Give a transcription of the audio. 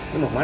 lo mau kemana